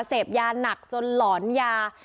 เสพยาหนักจนหลอนยา